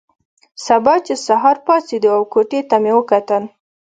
سبا چې سهار پاڅېدو او کوټې ته مې وکتل.